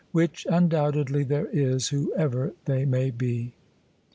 iWhich undoubtedly there is, whoever they may be.